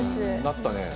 なったね。